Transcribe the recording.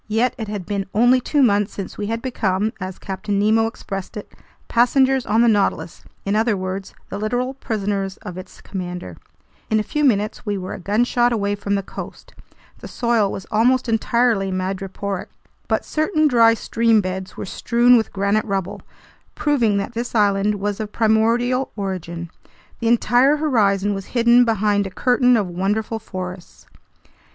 Yet it had been only two months since we had become, as Captain Nemo expressed it, "passengers on the Nautilus," in other words, the literal prisoners of its commander. In a few minutes we were a gunshot away from the coast. The soil was almost entirely madreporic, but certain dry stream beds were strewn with granite rubble, proving that this island was of primordial origin. The entire horizon was hidden behind a curtain of wonderful forests.